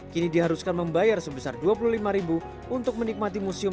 kini diharuskan membayar sebesar dua puluh lima untuk menikmati museum